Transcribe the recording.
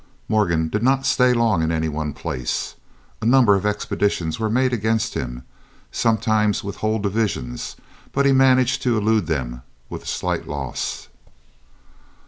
Morgan did not stay long in any one place. A number of expeditions were made against him, sometimes with a whole division, but he managed to elude them with slight loss.